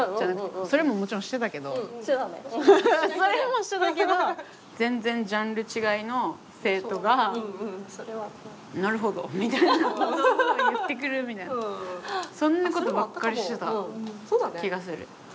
それもしてたけど全然ジャンル違いの生徒が「なるほど」みたいなことを言ってくるみたいなそんなことばっかりしてた気がする。